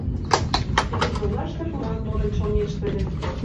Кечыйоллаште пурак модын чоҥештыле.